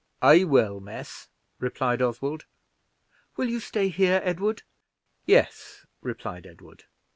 "I will, miss," replied Oswald. "Will you stay here, Edward?" "Yes," replied Edward.